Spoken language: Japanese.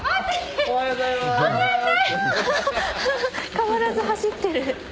変わらず走ってる。